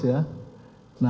jangan dipotong ya